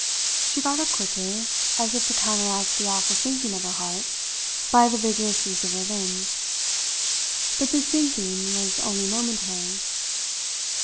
She got up quickly, as if to counteract the awful sinking of her heart by the vigorous use of her limbs. But this sinking was only momentary.